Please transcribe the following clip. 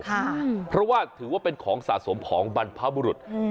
เพราะว่าถือว่าเป็นของสะสมของบรรพบุรุษอืม